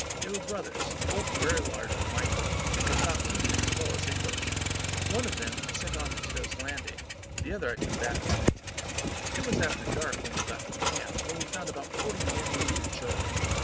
They were brothers, both very large and likely, and could talk Indian as well as English. One of them I sent on to Ditto's Landing, the other I took back with me. It was after dark when we got to the camp, where we found about forty men, women, and children.